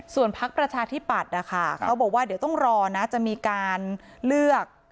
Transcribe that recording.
ส่วนพักประชาธิปัตย์นะคะเขาบอกว่าเดี๋ยวต้องรอนะจะมีการเลือก